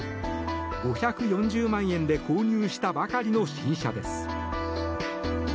５４０万円で購入したばかりの新車です。